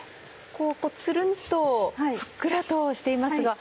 ツルンとふっくらとしていますが。